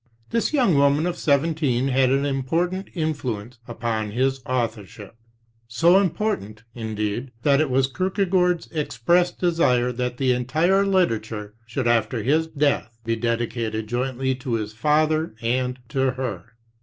This young woman of seventeen had an impor tant influence upon his authorship; so important, indeed, that it was Kierkegaard's expressed desire that the entire literature should after his death be dedicated jointly to his father and to her.